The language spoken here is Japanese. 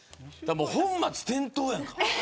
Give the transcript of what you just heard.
本末転倒やんか。